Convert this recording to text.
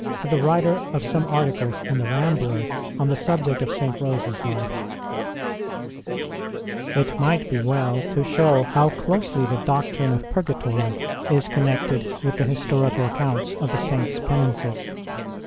ROSE 2Q the writer of some articles in the Rambler on the subject of St. Rose s life : It might be well to show how closely the doctrine of Purgatory is connected with the historical accounts of the Saints 1 Penances.